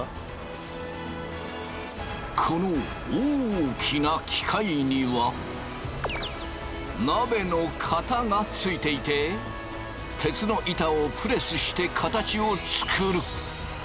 この大きな機械には鍋の型がついていて鉄の板をプレスして形を作る。